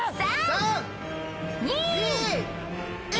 ３・２・１。